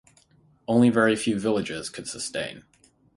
Only very few villages could sustain.